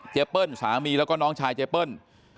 เปิ้ลสามีแล้วก็น้องชายเจเปิ้ล